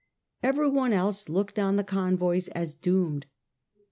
Every one else looked on the convoys as doomed.